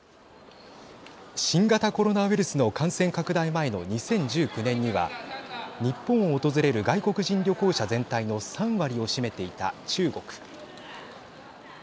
新型コロナウイルスの感染拡大前の２０１９年には日本を訪れる外国人旅行者全体の３割を占めていた中国。